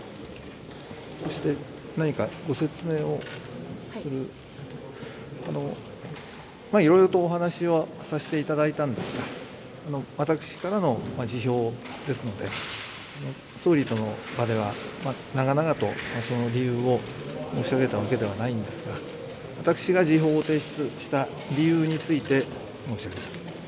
そして、何かご説明をするいろいろとお話はさせていただいたんですが、私からの辞表ですので、総理との場では、長々とその理由を申し上げたわけではないんですが私が辞表を提出した理由について申し上げます。